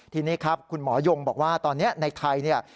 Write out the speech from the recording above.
ทีนี้ครับคุณหมอยงบอกว่าตอนนี้ในไทยเนี่ย